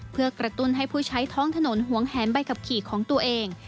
เพื่อกระตุ้นให้ผู้ใช้ท้องถนนหวงแหนใบขับขี่ของตัวเอง